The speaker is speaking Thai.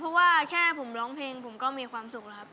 เพราะว่าแค่ผมร้องเพลงผมก็มีความสุขแล้วครับ